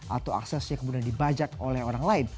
atau aksesnya kemudian dibajak oleh orang lain